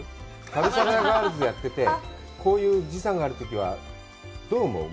旅サラダガールズやってて、こういう時差があるときはどう思う？